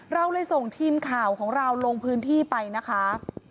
เราเลยส่งทีมข่าวของเราลงพื้นที่ไปนะคะ